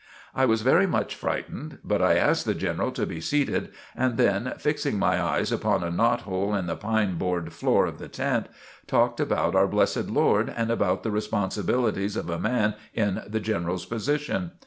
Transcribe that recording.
I was very much frightened, but I asked the General to be seated, and then, fixing my eyes upon a knot hole in the pine board floor of the tent, talked about our Blessed Lord, and about the responsibilities of a man in the General's position.